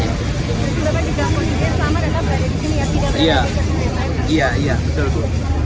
jadi itu bapak juga kondisinya sama dengan yang berada di sini ya